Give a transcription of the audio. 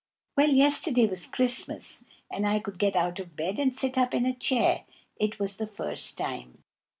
Well, yesterday was Christmas, and I could get out of bed and sit up in a chair; it was the first time.